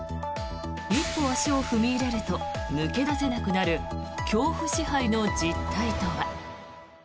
一歩足を踏み入れると抜け出せなくなる恐怖支配の実態とは。